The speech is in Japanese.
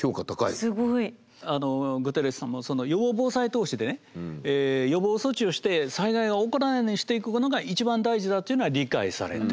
あのグテーレスさんも予防防災投資でね予防措置をして災害が起こらないようにしていくことが一番大事だというのは理解されてる。